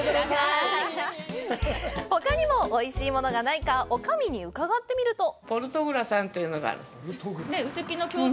ほかにもおいしいものがないか女将に伺ってみると。